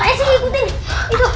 apa yang gaul